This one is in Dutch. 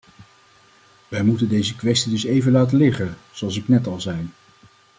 Wij moeten deze kwestie dus even laten liggen, zoals ik net als zei.